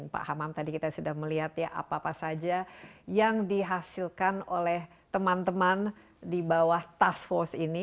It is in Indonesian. pak hamam tadi kita sudah melihat ya apa apa saja yang dihasilkan oleh teman teman di bawah task force ini